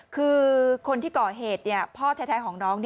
คือคนที่ก่อเหตุพ่อแท้ของน้อง